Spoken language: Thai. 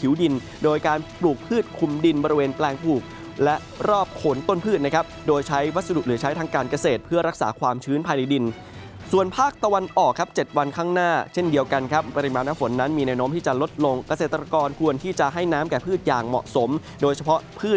ผิวดินโดยการปลูกพืชคุมดินบริเวณแปลงผูกและรอบขนต้นพืชนะครับโดยใช้วัสดุหรือใช้ทางการเกษตรเพื่อรักษาความชื้นภายในดินส่วนภาคตะวันออกครับ๗วันข้างหน้าเช่นเดียวกันครับปริมาณน้ำฝนนั้นมีแนวโน้มที่จะลดลงเกษตรกรควรที่จะให้น้ำแก่พืชอย่างเหมาะสมโดยเฉพาะพืช